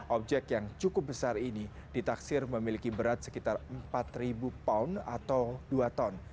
objek yang cukup besar ini ditaksir memiliki berat sekitar empat pound atau dua ton